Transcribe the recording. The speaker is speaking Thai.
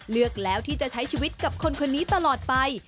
เลือกแล้วที่จะใช้ชีวิตกับคนคนนี้ตลอดไป